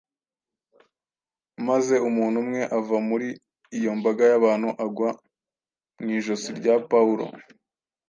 maze umuntu umwe ava muri iyo mbaga y’abantu agwa mu ijosi rya Pawulo,